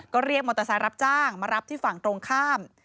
ก็เรียกมอเตอร์ไซค์รับจ้างมารับที่ฝั่งตรงข้าม